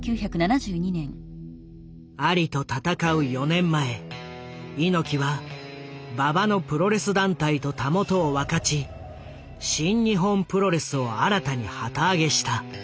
アリと戦う４年前猪木は馬場のプロレス団体とたもとを分かち「新日本プロレス」を新たに旗揚げした。